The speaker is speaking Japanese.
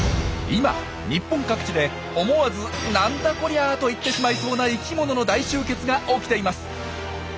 今日本各地で思わず「なんだこりゃ！！」と言ってしまいそうな生きものの大集結が起きています！